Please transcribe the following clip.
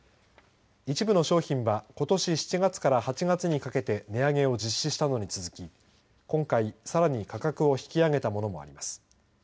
一部の商品はことし７月から８月にかけて値上げを実施したのに続き今回さらに価格を引き上げたものもあります。